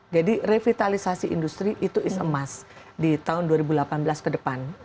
jadi revitalisasi industri itu is a must di tahun dua ribu delapan belas ke depan